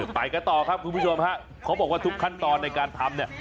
ไปกันต่อครับคุณผู้ชมฮะเขาบอกว่าทุกขั้นตอนในการทำเนี่ย